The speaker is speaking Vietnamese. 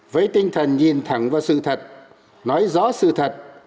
với tinh thần nhìn thẳng vào sự thật nói rõ sự thật